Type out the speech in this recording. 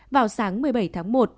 vào sáng một mươi bảy tháng một